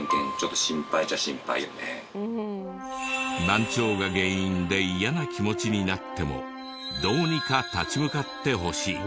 難聴が原因で嫌な気持ちになってもどうにか立ち向かってほしい。